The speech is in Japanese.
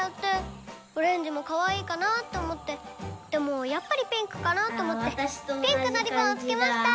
オレンジもかわいいかなって思ってでもやっぱりピンクかなって思ってピンクのリボンをつけました！